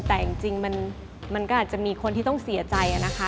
แต่จริงมันก็อาจจะมีคนที่ต้องเสียใจนะคะ